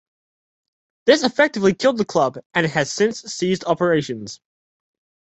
This effectively killed the club, and it has since ceased operations.